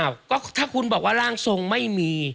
ก็ถ้าคุณบอกว่าร่างทรงไม่มี